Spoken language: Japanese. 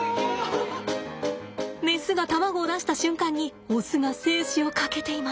メスが卵を出した瞬間にオスが精子をかけています。